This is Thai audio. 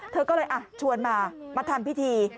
เธอก็เลยชวนมามาทำพิธี